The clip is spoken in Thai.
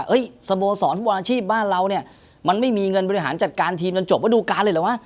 สโมสรฟุตบอลอาชีพบ้านเราเนี่ยมันไม่มีเงินบริหารจัดการทีมจนจบระดูการเลยเหรอวะ